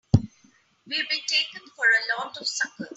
We've been taken for a lot of suckers!